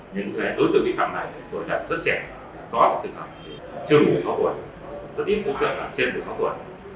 những đối tượng bị phạm này tổ chức rất trẻ có thể thực hành trước một mươi sáu tuổi rất yên tĩnh tổ chức trên một mươi sáu tuổi